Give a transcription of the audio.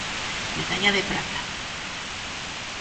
Medalla de prata.